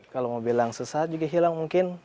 kalau mau bilang sesa juga hilang mungkin